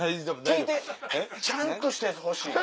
聞いてちゃんとしたやつ欲しい。